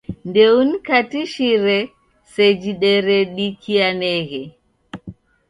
Ndouniukatishire seji deredikianeghe.